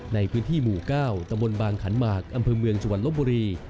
ในพื้นที่หมู่๙ตะบนบางขันหมากอำเภอเมืองจังหวัดลบบุรี